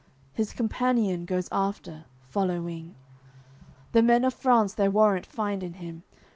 His companion goes after, following, The men of France their warrant find in him.